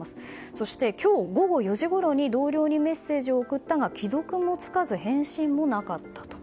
そして今日午後４時ごろに同僚にメッセージを送ったが既読もつかず返信もなかったと。